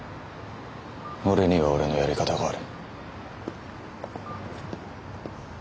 俺には俺のやり方がある。